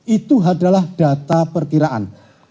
itu adalah data perkiraan